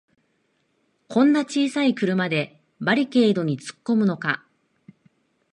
こんな小さい車でバリケードにつっこむのか